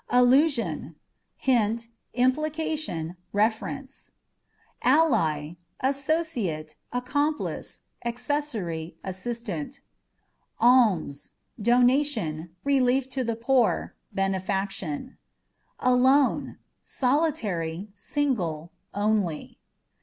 Allusion â€" hint, implication, reference. Ally â€" associate, accomplice, accessary, assistant Almsâ€" donation, relief to the poor, benefaction* Alone â€" solitary) single, only.